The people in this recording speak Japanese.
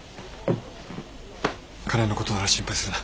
金のことなら心配するな。